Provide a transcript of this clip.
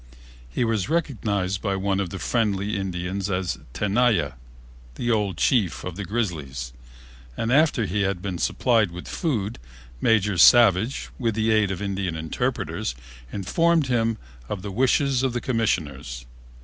He was recognized by one of the friendly Indians as Tenaya, the old chief of the Grizzlies, and, after he had been supplied with food, Major Savage, with the aid of Indian interpreters, informed him of the wishes of the Commissioners.